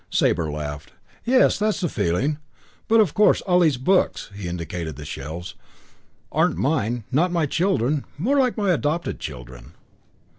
Sabre laughed. "Yes, that's the feeling. But of course, all these books" he indicated the shelves "aren't mine, not my children, more like my adopted children."